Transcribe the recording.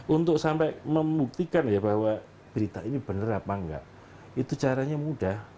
untuk sampai membuktikan ya bahwa berita ini benar apa enggak itu caranya mudah